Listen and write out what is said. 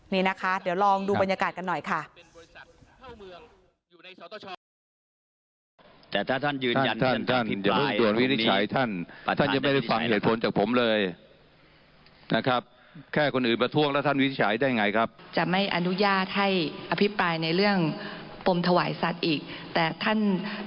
นี่นะคะเดี๋ยวลองดูบรรยากาศกันหน่อยค่ะ